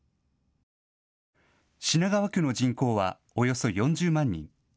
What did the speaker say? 品川区の人口はおよそ４０万人。